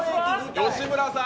吉村さん。